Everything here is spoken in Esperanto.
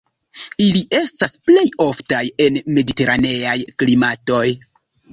Ili estas plej oftaj en mediteraneaj klimatoj.